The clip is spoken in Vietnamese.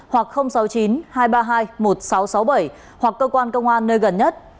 hoặc sáu mươi chín hai trăm ba mươi hai một nghìn sáu trăm sáu mươi bảy hoặc cơ quan công an nơi gần nhất